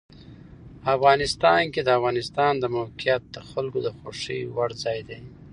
افغانستان کې د افغانستان د موقعیت د خلکو د خوښې وړ ځای دی.